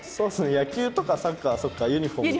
野球とかサッカーはそっかユニフォームか。